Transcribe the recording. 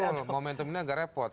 betul momentumnya agak repot